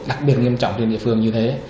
đặc biệt nghiêm trọng trên địa phương như thế